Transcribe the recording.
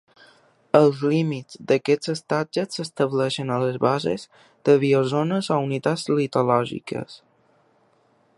Els límits d'aquests estatges s'estableixen a les bases de biozones o unitats litològiques.